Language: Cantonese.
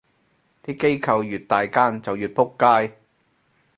啲機構越大間就越仆街